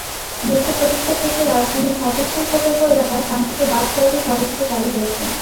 দীর্ঘ প্রতীক্ষার শেষে রাজধানীর হাতিরঝিল প্রকল্প এলাকায় কাঙ্ক্ষিত বাস সার্ভিস অবশেষে চালু হয়েছে।